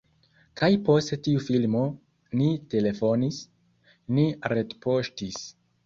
kaj post tiu filmo ni telefonis, ni retpoŝtis